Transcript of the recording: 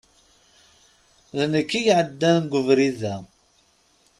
D nekk i iɛeddan g ubrid-a.